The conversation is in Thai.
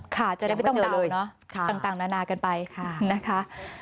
ค่ะจะได้ไม่ต้องเจอเลยต่างนานาเกินไปนะคะ